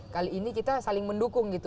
kali ini kita saling mendukung gitu